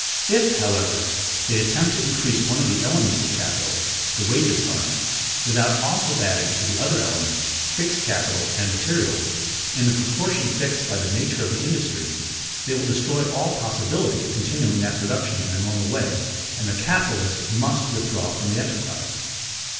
If, however, they attempt to increase one of the elements of capital, the wages fund, without also adding to the other elements, fixed capital and materials, in the proportion fixed by the nature of the industry, they will destroy all possibility of continuing that production in the normal way, and the capitalist must withdraw from the enterprise.